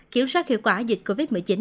kiểm soát hiệu quả dịch covid một mươi chín